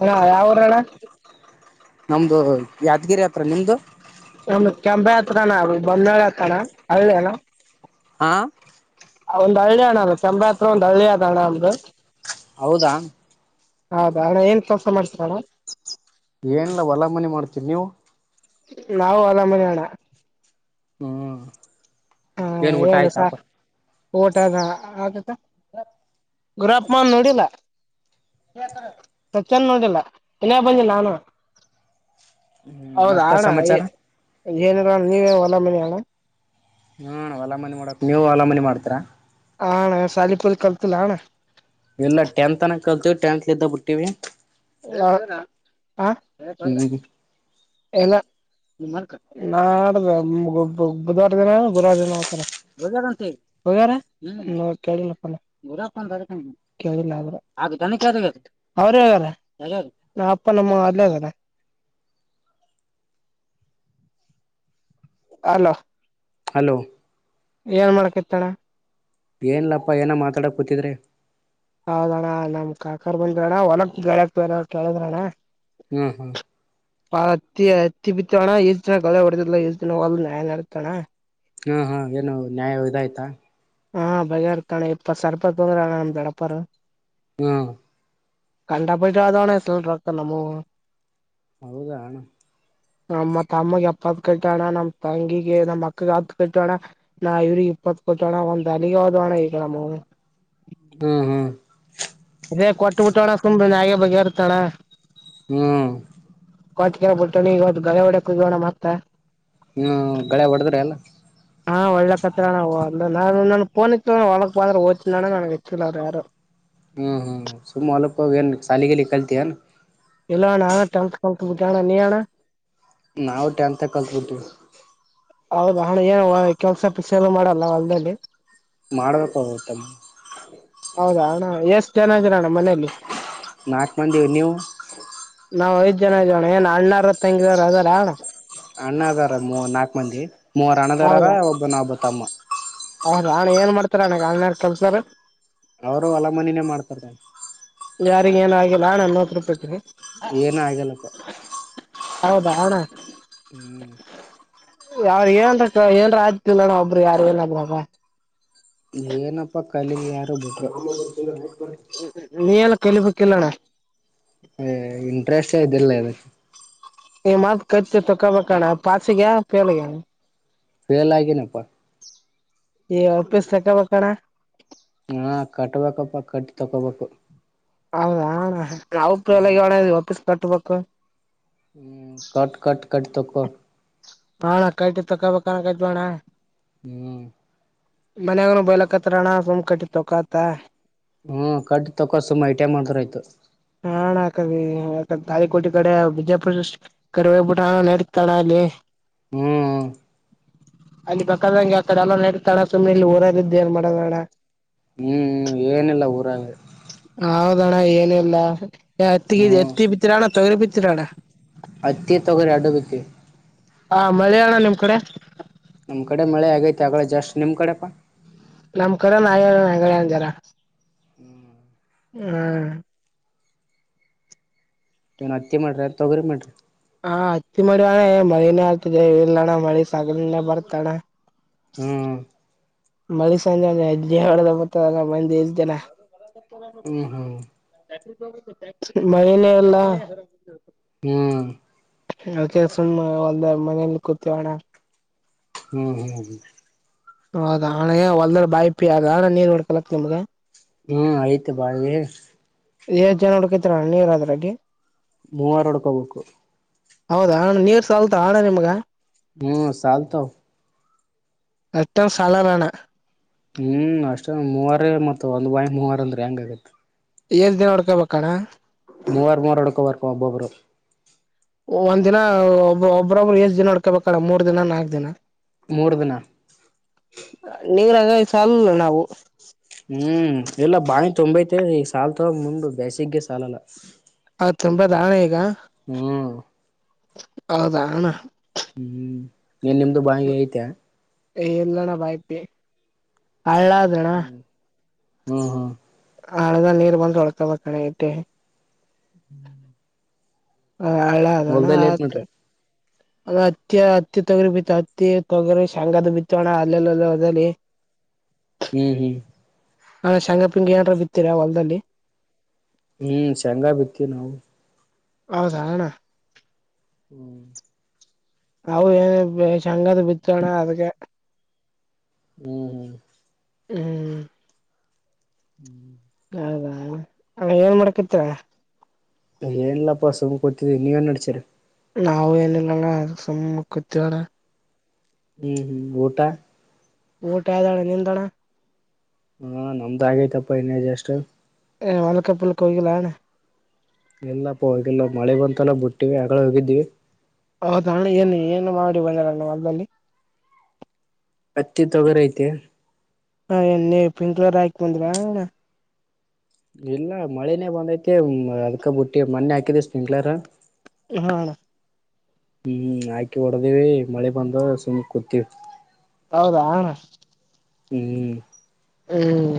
ಹ ಯಾವಊರ ಅಣ್ಣ. ನಮ್ದು ಯಾದಗಿರಿ ಹತ್ರ ನಿಮ್ದು. ಒ ಕೆಪೆ ಹತ್ರನ ಅದು ಬನ್ನಾಳ ಹತನ ಹಳ್ಳೇನ. ಹಾ. ಒಂದು ಹಳ್ಳಿ ಹಣ್ಣ ಅ ಚ್ರಾತ್ರ ಒಂದ್ ಹಳ್ಳಿಯ ಆದಣ ಅಮ್ದು. ಹೌದಾ. ಹೌದಾ ಅ ಏನು ತೋಸ ಮಾಡ್ತೀರ ಮೇಡ್. ಏನಿಲ್ಲಲ್ಲ ಹೊಲ ಮನೆ ಮಾಡ್ತೀರಿ ನೀವು. ನಾವು ಅಲಾಮನೆ ಅಣ್ಣ. ಹ್ಮ್. ಹಾ ಏನ್ ಊಟ ಹೇಳಏನು ಸಾ. ಆಯ್ತಾಪ ಓಟ ಅದ ಆತಾ ಗುರಪ್ಪನ್ ನೋಡಿಲ್ಲ. ಸಚ್ಚನ್ ನೋಡಿಲ್ಲ ಇನ್ನೇ ಬಂದ ನಾನು. ಹ್ಮ್ ಹೌದ ಮತ್ತ ಅಣ್ಣ ಸಮಾಚಾರ ಏನರ ನೀವೇ ಹೊಲ ಮನಿ ಅಣ. ಹಾ ಹೊಲ ಮನೆಿ ಮಾಡಕ್ ನೀವು ಹೊಲ ಮನಿ ಮಾಡ್ತರಾ. ಹಣ ಸಾಲಿಪುರಿ ಕಲ್ತಿಲ್ಲ ಹಣ್ಣ. ಇಲ್ಲ ಟೆತ್ನ ಕಲ್ತವಿ ಟೆಂತ್ ಇದ್ದ ಬಿಟ್ಟಿವವಿ. ಯ ಹ. ಹ್ಮ್ ಎಲ್ಲ ನಾ ಬುಧವಾರ ದಿನ ಗುರುವಾರ ದಿನ ಹತರ ಹೋಗ ಅಂತ ಹಗ ಕೇಳಿಲ್ಲಪ್ಪ ೇಳಿಲ್ಲ್ರ ಅವ್ರ ಅಪ್ಪ ನಮ್ಮ ಅದಲೇ ಆಗಾರ ಅಲೋ ಹಲೋ ಏನ್ ಮಾಡ್ಕತ್ತಳ ಏನ್ಲಪ್ಪ ಏನೋ ಮಾತಾಕ್ ಕೂತಿದ್ರಿ ಹೌದಣ್ಣ ನಮ್ ಕಾಕರ್ ಬಂದ್ರ ಅಣ್ಣ ಒಲಕ್ ಳಕ್ ಬನ ಕೇಳಿದ್ರಣ್ಣ ಹ್ಮ್ ಹ್ಮ ಪಾ ಅತ್ತಿ ಹತ್ತಿ ಬಿತ್ತವಣ್ಣ ಈಷ್ಟ್ ದಿನ ಗಳ ಹೊಡೆದಿಲ್ಲಾ ಈಷ್ಟ್ ದಿನ ಹೋಗಲ್ನ್ಾಯ ನಡತಾನಣ ಹಾಂ ಹಾಂ ಏನು ನ್ಯಾಯ ಇದ ಆಯ್ತಾ ಹಾ ಬಗೆರ್ತಾನೆ ಇಪ್ಪತ್ ಸರ್ಪ ತೋಂದ್ರ ನಮ್ದ ದಡಪರು ಹ್ಮ್ ಕಂಡ [unintelligible] ಡಾಕ್ಟರ್ ನಮ್ಮವು. ಹೌದ ನಮ್ಮ ತಮ್ಮಗೆ ಎಪ್ಪತ್ ಕಟ್ಟೋಣ ನಮ್ಮ್ ತಂಗಿಗೆ ನಮ್ಮ್ ಅಕ್ಕಗೆ ಹತ್ ಕಟ್ಟೋಣ ನಾ ಇವ್ರಿಗೆ ಇಪ್ಪತ್ ಕೊಟೋಣ ಒಂದ ಹಾಲಿಗೆ ಹೊಡುವಮ್ಮ ನಮ್ಮವು ಹ್ಮ್ ಹ್ಮ್ ಏ ಕೊಟ್ಟ್ಬುಟ್ಟೋಡ ನ್ಯಾಯ ಬಗೆ ಇರ್ತಾಳ. ಹ್ಮ್ ಕಟ್ ಕೆ ಬಿಟ್ಟೋ ಈ ಗಡ ಒಡೆ ಕುಗೋಣ ಮತ್ತ ಹ್ಮ್ ಗಳೆ ಹೊಡದ್ರೆ ಅಲ್ಲ ಹಾ ಒಳ್ಳೆ ಹತ್ರವು ಅ್ರ ನಾನು ನನ್ಫೋನಿ ಒಳಕ್ ಬಂದ್ರ ದ್ಿಲ್ಲ ನನ್ಗ್ ಎಚ್ಚಿಲ್ಲ ಅವರು ಯಾರು ಹ್ಮು ಹೂ ಸುಮ್ಮ್ ಹೊಲಕ್ಕ ಹೋಗ ಏನು ಶಾಲಿಗಿಲಿ ಕಲ್ತಿಯ ಏನು ಇಲ್ಲಣ ನೀ ಆಣ್ಣ ನಾವು ಟೆಂತ್ ಕಲ್ಬಿಡ್ತೀವಿ ಹೌದ ಹಣ ಏನು ಕೆಲ್ಸ ಪಿಸ ಎಲ್ಲ ಮಾಡಲ್ಲ ಹೊಲ್ಲ್ಲಿ ಮಾಡ್ಬೇಕು ತಮ್ಮ ಹೌದಾ ಅಣ್ಣ ಎಷ್ಟು ಚೆನನ್ನ ಇದೀರ ಅಣ್ಣ ಮನೆಯಲ್ಲಿ ನಾಕ್ ಮಂದೀವೀ ನೀವು? ನಾವ್ ಐದ್ ಜನ ಇದ್ದೀವಣ ಏನ್ ಅಣ್ಣಾರು ತಂಗಿಯರದಾರ. ಅಣ್ಣ ಅದಾರ ಮೂವರ್ ನಾಲ್ಕ್ಮಂದಿ ಮೂವರ್ ಅಣ್ಣದಾರಾರ ಒಬ್ಬನ ಒಬ್ಬ ತಮ್ಮ. ಹೌ ಆಣ ಏನ್ ಮಾಡ್ತಾರ ನನಗ ಅನ್ಯಾರ ಕೆಲ್ಸಾರು. ಅವರು ಹೊಲಮನಿನೇ ಮಾಡ್ತಾರೆ ಯಾರಿಗ ಏನೂ ಆಗಿಲ್ಲ ನಾನು ಹೋಗ್ಬಿಟ್ ಬರ್ತೀನಿ. ಏನಾಗಲ್ಲ ಹೌದಾ ಅಣ್ಣ. ಹ್ಮ್ ಯಾವ್ರ ಏನಂದ್ರ ಏನಾರ್ ಅಯ್ತುದಿಲ್ಲಣ ಒಬ್ರು ಯಾರೂ ಇಲ್ಲದ್ರಾಗ. ಏನಪ್ಪಾ ಕಲೀಲಿ [unintelligible] ನೀ ಎಲ್ಲ ಕಲಿಬೇಕು ಇಲ್ಲಣ್ಣ ಏ ಇಂಟ್ರೆಸ್ಟೇ ಇದಿಲ್ಲ ರೀ. ಈ ಮತ್ ಕರ್ಚ್ಚ ತಕೋಬೇಕಣ್ಣ ಪಾಸಿಗ್ಯಾವ್ ಫೇಲಾಗ್ಯಾವ್. ಫೇಲ್ ಆಗಿನಪ್ಪ. ಈ ಆಫೀಸ್ [unintelligible] ಹಾ ಕಟ್ಬೇಕಪ್ಪ ಕಟ್ಟ್ ತಕೋಬೇಕು. ಹೌದ ಅಣ್ಣ ಯಾವು ಫೇಲ್ ಹ್ಮ್ ಆಗಿವಿ ವಾಪೀಸ್ ಕಟ್ಬೇಕು. ಹ್ಮ್ ಕಟ್ ಕಟ್ ಕಟ್ ತಕೊ. ಆ ಅಣ್ಣ ಕೈಟಿ ತಕೋಬೇಕು ಅಂತ ಅನ್ಕೊಂತೀವಿ ಅಣ್ಣ ಹ್ಮ್ ಮನೆಯವ್ರು ಬಯಲಕತ್ತಣ್ಣ ಸುಮ್ ಕಡ್ಡಿ ತಕತ. ಹ್ಮ ಕಟ್ಟ್ ತೊಕೋ ಸುಮ್ಮ ಐ ಟಿ ಐ ಮಾಡ್ದ್ರ ಆಯ್ತು. ಹಾಣ ಕಲೀ ಅತಗ್ ತಾಲಿಕೋಟೆ ಕಡೆ ವಿಜಾಪುರ ಡಿಸ್ಟಿ ಕರ್ಬೇವ್ [unintelligible] ತಡ ಆಗ್ಲಿ. ಹ್ಮ್ ಅಲ್ಲಿ ಬೇಕಾದಂಗೆ ಹೇಳ್ತಾರೆ ಆಮೇಲ್ [unintelligible] ಸುಮ್ಮನೆ ಇಲ್ಲಿ ಊರ ಇದ್ದ ಏನ್ ಮಾಡದಣ. ಹ್ಮ್ ಏನಿಲ್ಲ ಊರಾಗ. ಹೌದಣ್ಣ ಏನಿಲ್ಲ ಹ್ಮ್ ಹತ್ತಿ ಬಿತ್ತೀರಣ್ಣ ತೊಗರಿ ಬಿತ್ತೀರಣ್ಣ? ಅತ್ತಿ ತೋಗರಿ ಎರಡು ಬಿತ್ತಿ ಹಾ ಮಳೀಯಣ ನಿಮ್ ಕಡೆ? ನಮ್ ಕಡೆ ಮಳೆ ಆಗೈತಿ ಆಗಲ ಜಸ್ಟ್ ನಿಮ್ ಕಡೆ ಪಾ? ನಮ್ ಕಡೆ [unintelligible] [unintelligible] ಹ್ಮ ವನು ಹೆ ಮಾಡಿರಿ ಅಂತ ತಗರಿ ಮಾಡ್ರರಿ ಹಾ ಹತ್ತಿ ಮ ಅಣ್ಣ ಮಳನೇ ಆಗ್ತದೆ ಇಲ್ಲ ಅಣ್ಣ ಮಳಿ ಸಗಣೇ ಬರ್ತಣ್ಣ ಹ್ಮ್ ಮಳಿ ಸಂಜೆಜತ ಮಂದ ಜನ ಹ್ಮ್ ಹ್ಮ್ ಮಹನ ಎಲ್ಲ ಹ್ಮ್ ಅಕ ಸುಣ್ಮ ಒಲ್ದ ಮನೇಲಿ ಕೂತಿೋಣ್ಣ ಹ್ಮ್ ಹ್ಮ್ ಹ್ಮ್ ಹೌದಾ ಹಣ ಹೊಲ್ದ ಬಾಯಪಿ ಅಗ ಹಣ್ಣ ನೀರ್ ಹೊಡ್ಕಲಕ್ ನಿಮ್ಗ ಹ್ಮ್ ಆಯ್ತು ಬಾಳಿಗೆ ಏಷ್ಟ್ ಜನ ಹುಡುಕತ್ರ ನೀರ್ ಅದ್ರೆ ಮೂವರ್ ಒಡ್ಕೋಬೇಕು ಹೌದಾ ಹಣ ನೀರ್ ಸಲ್ತಾ ಹಣ್ಣ ನಿಮ್ಗ ಹ್ಮ್ ಚಲ್ತ ಟಮ ಸಾಲರಣ ಹ್ಮ್ ಅಷ್ಟ ಮೂವಾರ ಮತ್ತ ಒಂದು ಬಾಯಿ ಮೂವಾರ ಅಂದ್ರೆ ಹೆಂಗ ಆತ್ತೆ ಎಏಷ್ಟ ದಿನ ನಡ್ಕೊಬೇಕಣ ಮೂವರ್ ಮೂರು ಅಡುಕ ಬರ್ ಒಬ್ಬಬ್ರು ಒಂದ ದಿನ ಒಬ್ ಒಬ್ಬ್ರೊಬ್ಬರು ಎಷ್ಟ್ ದಿನ ಹಡ್ಕೋಬೇಕಲ್ಲ ಮೂರ್ ದಿನ ನಾಕ್ ದಿನ ಮೂರು ದಿನ ನೀರಂಗ ಸ ಅಲ್ಲ ನಾವು ಹ್ಮ್ ಇಲ್ಲ ಬಾಣಿ ತೊಂಬೈತೆ ಈಗ ಸಾಲ ತಗ ಮುಂಡು ಬೇಸಿಗೆಗೆ ಸಾಲಲ್ಲ ಅ್ ತುಂಬಾ ದಾಳೆ ಈಗ ಹ್ಮ್ ಹೌದಾ ಹಣ ಹ್ಮ್ ಹ್ಮ್ ನೀನ್ ನಿಮ್ದು ಬಾಯಿಗೆ ಐತೆ ಎಲ್ಲಣ ಬಾಯ್ತಿ ಹ ಹ್ಮ ಹ್ಮ್ ಹ್ಮ್ ಹಳಲ್ ನೀರ್ ಬಂದ್ ಹೊೊಳ್ಕಬೇಕ ಕಣೆ ಐತೆ ಹ್ಮ್ ಹ ಹಳೆ ಅದಣ ಏನ್ ಆಯತ ಮಾಡ್ರಿ ಅಲ್ಲ ಹತ್ತಿ ಹತ್ತಿ ತೊಗರಿಿ ಬಿತ್ತ ಹತ್ತಿ ತೊಗರಿಿ ಶೆಂಗದ ಬಿತ್ತ ಅಣ್ಣ ಅಲ್ಲೆಲ್ಲಲ್ಲ ಹದಲಿ ಹ್ಮ್ ಹ್ಮ್ ಹಾ ಶೇಂಗಾಪಿಂಗಿ ಏನಾರ ಬಿತ್ತೀರಾ ಹೊಲ್ದಲ್ಲಿ ಹ್ಮ್ ಶೆಂಗ ಬಿತಿ ನಾವು ಹೌ ಸಣ ಹ್ಮ್ ಅವು ಏನ ಶಂಗದ ಬಿತ್ತೋಣ್ಣ ಅದ್ಕ್ಕೆ ಹ್ಮ್ ಹ್ಮ್ ಹ್ಮ್ ಹ್ಮ್ ಹೌದಾ ಆ ಏನ್ ಮಾಡಕತ್ತೀರ ಏನಿಲ್ಲಾಪ್ಪಾ ಸುಮ್ ಕತಿದ್ದೀ ನೀವ ನ್ ನಡಚೀರಿ ನಾವು ಏನಿಲ್ಲಣ ಅದ ಸುಮ್ಮ ಕೂತವಳ ಹ್ಮ್ ಹ್ಮ್ ಊಟಾ ಊಟ ಆ್ದಣ್ಣ ನಿಂತಣ ಹಾ ನಮ್ದ ಆಗೈತಪ್ಪ ಇನ್ನೇಜಸ್ಟ್ ಏ್ ಮಲ್ಕ ಪುಲ್ಕ ಹೋಗಲಣ ಎಲ್ಲಪ್ಪ ಹೋಗಲ್ಲ ಮಳೆ ಬಂತಲ್ಲ ಬಿಟ್ಟಿವವಿ ಆ ಹೋಗಿದ್ವಿ ಹೌದಣ್ಣ ಏನು ಏನು ಮಾಡಿ ಒಂದರಣ ಮದಲ್ಲಿ ಪತ್ತಿ ತೊಗರ ಐತೆ ಹಾ ಎ ನೀ್ ಪಿಂಕ್ ಕಲರ್ ಹಾಕ ಬಂದ್ರಾಣ್ಣ ಇಲ್ಲ ಮಳೆ ನೇ ಬಂದೈತಿ ಅದ್ಕ ಬಿಟ್ಟಿ ಮೊೆ ಹಾಕಿದ ತಿಂಗಳಾರ ಹ ಹ್ಮ್ ಆಾಕಿ ಹೊಡದಿವವಿ ಮಳೆ ಬಂದ ಸುಮಮ್ಮ್ ಕೂತೀವಿ ಹೌದಾ ಹ್ಮ್ ಹ್ಮ್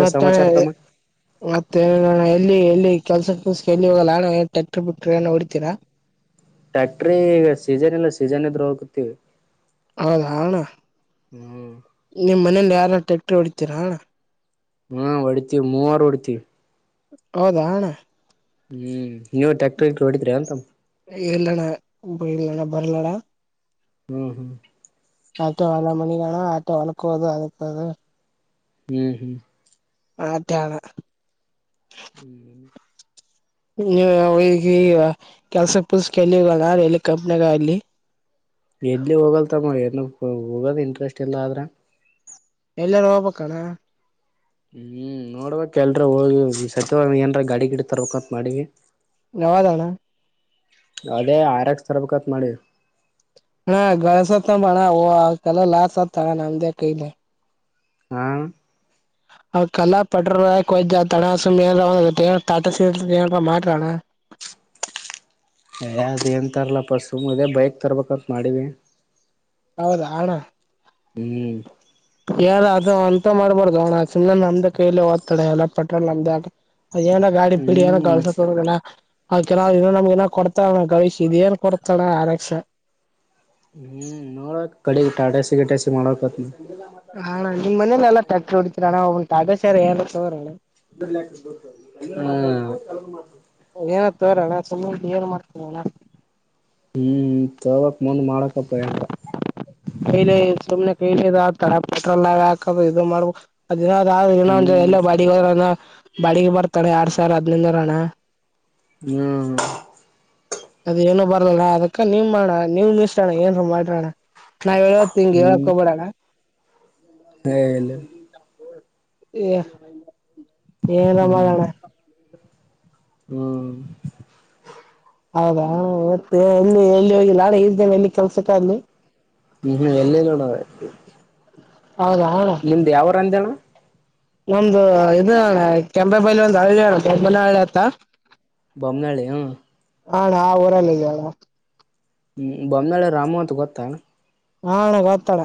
ಮತ್ತೆ ಸಮಾಚಾರ ತಮ್ಮ ಮತ್ತೆ ನ ಎಲ್ಲಿ ಎಲ್ಲಿ ಕೆಲ್ಸ ಕಲ್ಸ ಎಲ್ಲಿ ಹೋಗಲ್ಲ ನ ಟ್ಯಾಕ್ಟರ್ ಬಿಟ್ರರ್ ಏ ಹೊಡಿತೀರಾ ಟ್ಯಾಕ್ಟ್ರಿ ಈಗ ಸೀಸನ್ ಇಲ್ಲ ಸೀಸನ್ ಇದ್ರರು ಹೋಗುತ್ತವಿ ಹೌದ ಹಣ ಹ್ಮ್ ನಿಮ್ಮ್ನೇಲಿ ಯಾರು ಟ್ರ್ಯಾಕ್ಟರ್ ಹೊಡಿತೀರಾ್ಣ ಹ್ಮ ಹೊಡ್ತೀವಿ ಮೂವಾರ ಹೊಡ್ಿತೀವಿ ಹೌದಾ ಹಣ್ಣ ಹ್ಮ್ ನೀವು ಟ್ಯಾಕ್ಟರ್ ಹೊಡಿದ್ರರಿ ಅಂತ ಇಲ್ಲಣ್ಣ ಇಲ್ಲಣ್ಣ ಬರ್ಲೋಣ ಹ್ಮ್ ಹ್ಮ್ ಆಟೋ ಅಲ ಮಣಿಗೆಣ ಆಟೋ ಅಳಕೋದು ಅಳಕೋದು ಹ್ಮ್ ಹ್ಮ್ ಆತ್ತಾನ ಹ್ಮ ನೀ ಈಗ ಕೆಲ್ಸ ಪೂಲ್ಸಕಲ್ಲಿ ಎಲ್ಲಿ ಕಂಪ್ನಿಗ ಅಲ್ಲಿ ಎಲ್ಲಿ ಹೋಗಲ್ತಮ್ಮ ಏನ ಹೋಗೋದ ಇಂಟ್ರೆಸ್ಟ್ ಇಲ್ಲ ಆದ್ರೆ ಎಲ್ಲಾರು ಹೋಗ್ಬಣ್ಣ ಹ್ಮ್ ನೋಡ್ಬೇಕಕ್ ಎಲ್ರ ಹೋಗಿ ಸತ್ಯವಾಗಿ ಏನ್ರ ಗಾಡಿ ಗಿಡ ತರ್ಬೇಕಂತತ್ ಮಾಡಿವಿ ನವದಣ ಅದೇ ಆರ ಎಕ್ಸ್ ತರಬೇಕತ್ ಮಾಡಿ ಹಾ ಗಳಸಣ ಕ ಲಾಸ್ ಸಾ ತ ನದ ಕಲ ಹಾ ಅವ ಕಲ್ಲಾ ಪಟ್ರ ತಣ ಸು ತಾಟ ಮಾೋಣ ಅದು ಏನುಂತರಲ್ಲ ಪರ್ಸು ಮುದೇ ಬೈಕ್ ತರ್ಬೇಕಂತ ಮಾಡೀಿ ಹೌದಾ ಹಣ ಹ್ಮ್ ಯಾರ ಅದು ಅಂತ ಮಾಡ್ಬಾರ್ದ್ ಅವ್ನ ಸಮ್ನೆ ನಮ್ದ ಕೈಯ ಓದ್ತಾಳ ಎಲ್ಲ ಪಟ್ರೋಲ್ ನಮ್ದೇ ಆ ಅದ ಏನ ಗಾಡಿ ಪೀಡಿ ಏನ ಹ್ಮ್ ಕಳ್ಸ. ಕೆಲ್ ನಮ್ಗೆ ಕೊಡ್ತಣ ಗವಿಶ್ ಇದ ಏನ್ ಕೊಡ್ತ ಆರ್ ಎಕ್ಸ್. ಹ್ಮ್ ನೋಡಕ್ ಕಡೆ ಟಾಟಸಿ ಗಟಸಿ ಮಾಡಕತ್. ಹಾ ನಿಮ್ಮ ಮನೇಲ್ಲ ಟ್ಯಾಕ್ಟರ್ ಹಡತೀರಣ್ಣ ಒಓ ತಟಗಾ ಏನ ತಗೋರಣ. [inaudible] ಅದ ಏನ ತೋರೋಣ್ಣ ಸುಮ್ಮಂ ಏನ್ ಮಾಡ್ತೀನೋಣ್ಣ. ಹ್ಮ್ ತಗಕ್ ಮುಂದ್ ಮಾಡಕಪ್ಪ ಏನ್ರ. ಕೈಲೆ ಸುಮ್ನೆ ಕೈಲಿ ಇದು ಆತರ ಪೆಟ್ರೋಲ್ ಹಾಕ ಇದು ಮಾಡ್. ಅದಿನದ ದಿನಂದ ಹ್ಮ್ ಎಲ್ಲ ಬಳಗ್ ಹೋದ ಬಳಗ್ ಬರ್ತಾನೆ ಯಾರ್ಡ್ ಸಾವಿ ಅದ್ಂದರಾನ. ಹ್ಮ್ ಅದ ಏನನು ಬರಲಾರ ಅದಕ್ಕ ನೀಮ್ ಮಾಡೋ ನೀವ್ ನಿಷ್ಟಣ ಏನ್ ಮಾಡ್ರಣ್ಣ. ನಾವ್ ಹೇಳೋ ತಿಂಗೆ ಹೇಳಕ್ ಹೋಗಬೇಡ. ಎ ಇಲ್ಲ ಏರ ಹ್ಮ್ ಮಾಡಣ. ಹ್ಮ್ ಹೌದಾ ಮತ್ತೆ ಎಲ್ಲಿ ಎಲ್ಲಿ ಹೋಗಿಲ್ಲ ನ ಎಲ್ಲಿ ಕೆಲ್ಸಕ್ಕ ಅಲ್ಲಿ. ಹ್ಮ್ ಎಲ್ಲೆಲ್ಲೋಡ್. ಹೌದಾ ನಿಮ್ದ ಯಾವ ರ ಅಂದೇ ಅಣ. ನಮ್ದು ಇದು ಕೆಂಪೆ ಬೈಲು. ಳ ಬನ್ನವ ತ ಬೊಮ್ಮನಳ್ಳಿ ಹ್ಮ ಅಣ ಉರುಳಿಡಿವನಾ. ಹ್ಮ್ ಬೊನಾಳೆ ರಾಮು ಅಂತ ಗೊತ್ತಾ. ಹ ಅಣ ಗೊತ್ತಣ.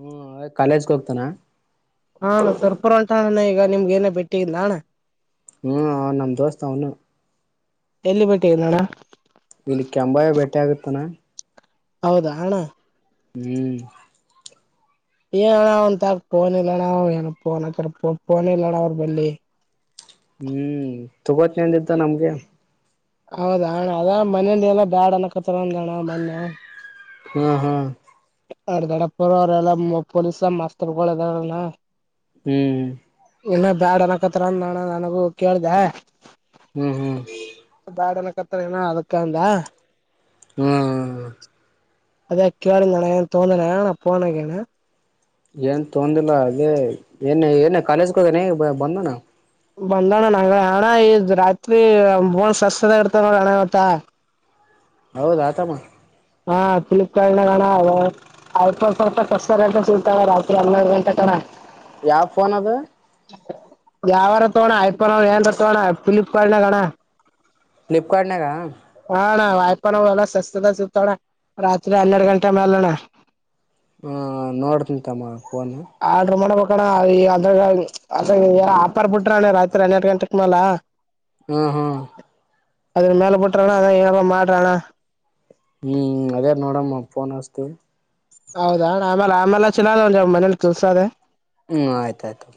ಹ್ಮ್ ಕಾಲೇಜ್ಗೆ ಹೋಗ್ತನ. ಹಾ ಸರ್ಪುರ್ ಉಂಟಣ ಈಗ ನಿಮ್ಗ ಏನ ಬೆಟ್ಟಿಗಿಂದಣ್ಣ. ಹ್ಮ್ ನಮ ದೋಸ್ತ್ ಅವನೆ. ಎಲ್ಲಿ ಪಟ್ಟಿನಣ. ಇಲ್ಲಿ ಕೆಂಬಾಯ ಬ ಬೆಟ್ಟೆ ಆಗತ್ತನಾ. ಹೌದಾ ಅಣ್ಣ ಹ್ಮ್ ಏನ ಒಂತ ಫೋನ್ ಇಲ್ಲಣ್ಣ ಏನ ಪೋನ್ ಹತ್ತ ಫೋನ್ ಇಲ್ಲಣ್ಣ ಅವ್ರ ಬೆಲೀ. ಹ್ಮ್ ತಗೊತಿ ಅಂದ್ದಿದ್ನ ನಮ್ಗೆ. ಹೌದಣ ಅದ ಮನಲಿ ಎಲ್ಲ ಬ್ಯಾಡ ಅಣಕತ್ತ ಅಂದ ಅಣ್ಣ ಮೊನ್ನೆ. ಹ್ಮ ಹ್ಮ ಅರ್ ದೊಡ್ಡಪ್ಪ ಅವ್ರಲ್ಲ ಪೊಲೀಸ ಮಾಸ್ತರ್ ಗುಲದಾರನ. ಹ್ಮ್ ಇನ್ನ ಬ್ಯಾಡ ಅನಕತ್ರ ನ ನನಗು ಕೇಳ್ದೆ. ಹ್ಮ್ ಹ್ಮ್ ಬ್ಯಾಡನಕತ್ತ ಏನೋ ಅದಕ್ಕಂದ. ಹ್ಮ ಹ್ಮ್ ಹ್ಮ್ ಅದೆ ಕೇಳ್ದೆ ಅಣ ಏನ್ ತಗೊಂಣ ನಣ ಟೊಪ್ಪಿಗೆ ಅಣ. ಏನ್ ತೊಂದಿಲ್ಲ ಅದೇ ಏನ್ ಏನ ಕಾಲೇಜ್ಗ ಹೋಗನೆ ಬಂದನ. ಬಂದಣ್ಣ ನಂಗ ಹಣ್ಣ ಈ್ ರಾತ್ರಿ ಬೋನ್ ಸಸದ ಇರ್ತ ನೋಡ ಅಣ್ಣ ಮತ್ತ. ಹೌದ ಆತಮ್ಮ ಹಾ ಫ್ಲಿಪ್ಕಾರ್ ನ ಗಣ ಐಫೋನ್ ಸವಲ್ಪ ಕಷ್ಟ ಕ ಸಿಲ್ತ. ಹನ್ನೆರಡು ಗಂಟೆ ಕಣ. ಯಾವ ಫೋನ್ ಅದು. ಯಾವಾರ ತಗೋಣ ಐಫೋನ್ ಅವ ಏನ್ ತಗಣ ಫ್ಲಿಪ್ಕಾರ್ಟ್ ನಾಗಣ್ಣ. ಫ್ಲಿಪ್ಕಾರ್ಟ್ನಾಗಾ. ಹಾ ನ ವಾಯಪನಲ್ಲ ಸ್ವಸ್ತ ೋಡ ರತ್ರಿ ಹನ್ನೆಡ್ ಗಂಟೆ ಮೆಲಣ. ಹ ನೋಡ್ತಂತಮ್ಮ ಫೋನ್ ಆರ್ಡ್ರ ಮಾಡಬೇಕಣ ಅ ಅಂದ್ರ ಅದ ಆಪರ್ ಬಿಟ್ರಾನ್ಣ ರಾತ್ರಿ ಹನ್ನೆರಡು ಗಂಟೆಕ್ ಮೇಾಲ ಹ್ಮ್ ಹ್ಮ್ ಅದ್ರ ಮೇಲೆ ಬಿಟ್ರಣ ಅದ ಏನಾರ ಮಾಡ್ರಣ ಹ್ಞೂ ಅದೇ ನೋಡಮ್ಮ ಫೋನ್ ಹಸ್ತೀವಿ ಹೌದಾ ಆಮೇಲೆ ಆಮೇಲೆ ಚಲ ಮನೇಲಿ ಕೆಲಸದೆ ಹ್ಮ್ ಆಯ್ತಾಯ್ತು